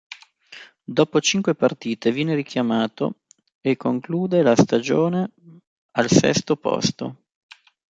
Dopo cinque partite viene richiamato e conclude la stagione al sesto posto.